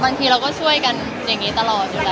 บางทีเราก็ช่วยกันอย่างนี้ตลอดอยู่แล้ว